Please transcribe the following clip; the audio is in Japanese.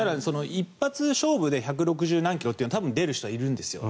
一発勝負で１６０何キロというのは多分出る人はいるんですよ。